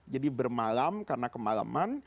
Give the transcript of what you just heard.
jadi bermalam karena kemalaman